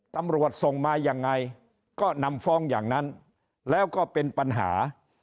ตำรวจส่งมายังไงก็นำฟ้องอย่างนั้นแล้วก็เป็นปัญหา